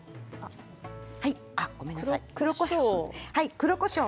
黒こしょう。